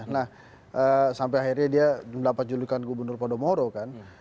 nah sampai akhirnya dia mendapat julukan gubernur podomoro kan